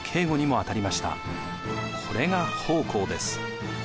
これが奉公です。